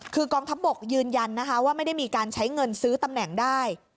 คือกองทัพบกยืนยันนะคะว่าไม่ได้มีการใช้เงินซื้อตำแหน่งได้